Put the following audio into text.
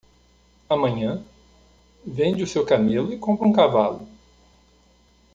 Amanhã? vende o seu camelo e compra um cavalo.